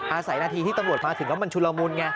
อาศัยนาทีที่ตำรวจมาถึงแล้วมันชุลมุนไง